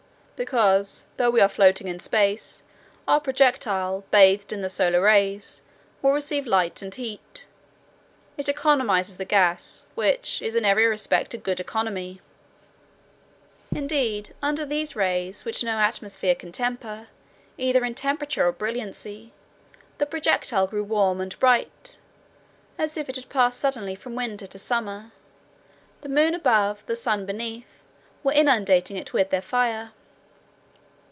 "Because, though we are floating in space, our projectile, bathed in the solar rays, will receive light and heat. It economizes the gas, which is in every respect a good economy." Indeed, under these rays which no atmosphere can temper, either in temperature or brilliancy, the projectile grew warm and bright, as if it had passed suddenly from winter to summer. The moon above, the sun beneath, were inundating it with their fire.